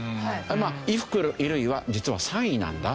まあ衣服衣類は実は３位なんだという事です。